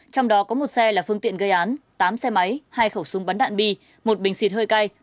trong đó có một xe là phương tiện gây án tám xe máy hai khẩu súng bắn đạn bi một bình xịt hơi cay